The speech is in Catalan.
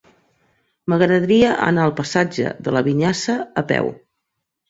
M'agradaria anar al passatge de la Vinyassa a peu.